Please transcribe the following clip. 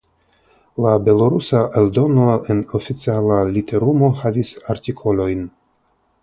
La belorusa eldono en oficiala literumo havis artikolojn.